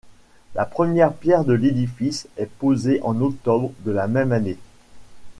La première pierre de l’édifice est posée en octobre de la même année.